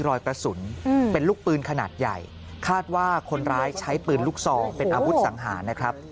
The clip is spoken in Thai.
รอยกระสุนเป็นลูกปืนขนาดใหญ่คาดว่าคนร้ายใช้ปืนลูกซองเป็นอาวุธสังหารนะครับ